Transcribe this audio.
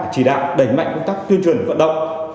chỉ đạo đẩy mạnh các tiêu chuẩn vận động